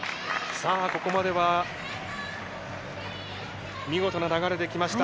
さあ、ここまでは見事な流れできました。